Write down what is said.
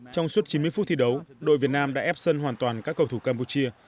trong suốt chín mươi phút thi đấu đội việt nam đã ép sân hoàn toàn các cầu thủ campuchia